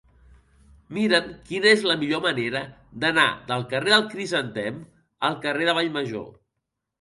Mira'm quina és la millor manera d'anar del carrer del Crisantem al carrer de Vallmajor.